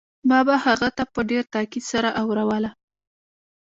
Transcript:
ما به هغه ته په ډېر تاکيد سره اوروله.